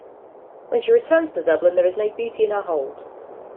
And when she returns to Dublin there is no booty in her hold.